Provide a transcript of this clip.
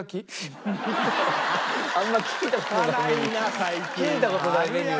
あんま聞いた事ないメニュー。